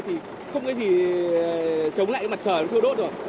thì không cái gì chống lại cái mặt trời nó chưa đốt rồi